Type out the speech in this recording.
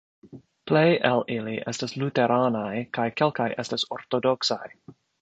Plej el ili estas luteranaj kaj kelkaj estas ortodoksaj.